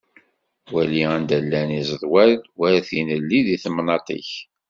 Wali anda llan izeḍwan war tinelli di temnaṭ-ik.